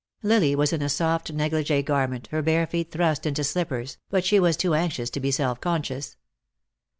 Lily was in a soft negligee garment, her bare feet thrust into slippers, but she was too anxious to be self conscious.